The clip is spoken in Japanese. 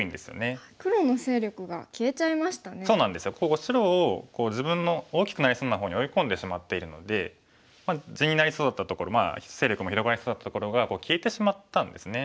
ここ白を自分の大きくなりそうな方に追い込んでしまっているので地になりそうだったところ勢力も広がりそうだったところが消えてしまったんですね。